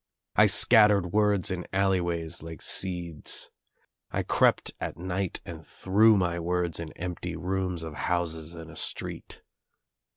I scattered words in alleyways like seeds. I crept at night and threw my words in empty roomt of houses In a street.